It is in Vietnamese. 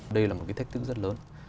đây là một cái thách thức rất lớn